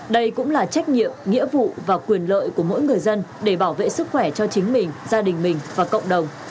đây cũng là trách nhiệm nghĩa vụ và quyền lợi của mỗi người dân để bảo vệ sức khỏe cho chính mình gia đình mình và cộng đồng